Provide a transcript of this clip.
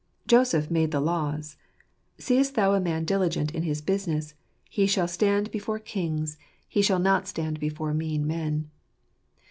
Joseph made the laws. " Seest thou a man diligent in his business, he shall stand before kings. " giltgent in gusitt css/' 121 he shall not stand before mean men."